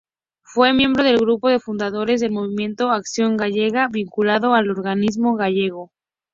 Fue miembro del grupo de fundadores del movimiento Acción Gallega, vinculado al agrarismo gallego.